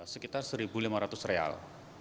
sekitar satu lima ratus real